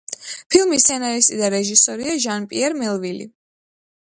ფილმის სცენარისტი და რეჟისორია ჟან-პიერ მელვილი.